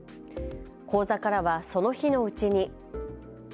口座からはその日のうちに。